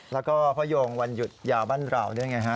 แล้วก็พ่อโยงวันหยุดยาวบ้านเราด้วยไงฮะ